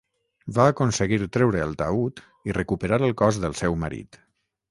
Va aconseguir treure el taüt i recuperar el cos del seu marit.